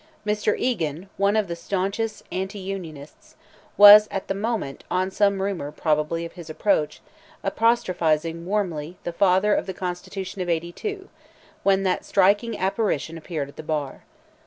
Mr. Egan, one of the staunchest anti Unionists, was at the moment, on some rumour, probably, of his approach, apostrophising warmly the father of the Constitution of '82, when that striking apparition appeared at the bar.